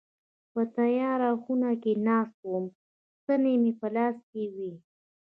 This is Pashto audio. په تياره خونه کي ناست وم ستني مي په لاس کي وي.